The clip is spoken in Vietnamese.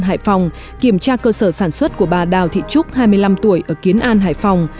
hải phòng kiểm tra cơ sở sản xuất của bà đào thị trúc hai mươi năm tuổi ở kiến an hải phòng